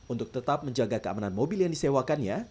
untuk tetap menjaga keamanan mobil yang disewakannya